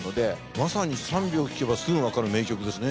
まさに３秒聴けばすぐわかる名曲ですね。